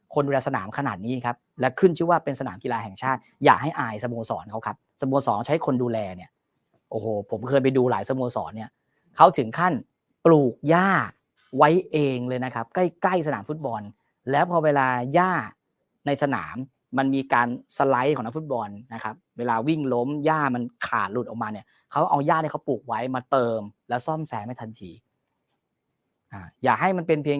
คนดูแลสนามขนาดนี้ครับและขึ้นชื่อว่าเป็นสนามกีฬาแห่งชาติอย่าให้อายสโมสรเขาครับสโมสรใช้คนดูแลเนี่ยโอ้โหผมเคยไปดูหลายสโมสรเนี่ยเขาถึงขั้นปลูกย่าไว้เองเลยนะครับใกล้ใกล้สนามฟุตบอลแล้วพอเวลาย่าในสนามมันมีการสไลด์ของนักฟุตบอลนะครับเวลาวิ่งล้มย่ามันขาดหลุดออกมาเนี่ยเขาเอาย่าที่เขาปลูกไว้มาเติมแล้วซ่อมแซมให้ทันทีอย่าให้มันเป็นเพียง